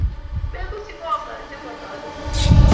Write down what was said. Mekuschi kong' ng'al che motoretin.